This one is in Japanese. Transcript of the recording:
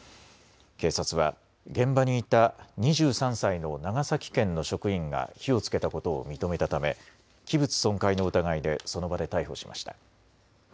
警察は現場にいた２３歳の長崎県の職員が火をつけたことを認めたため器物損壊の疑いでその場で逮捕しました。